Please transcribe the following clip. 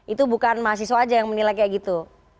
itu bukan mahasiswa aja yang menilai kayak gitu